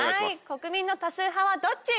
国民の多数派はどっち？